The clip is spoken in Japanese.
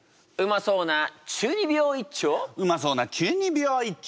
うまそうな中二病一丁！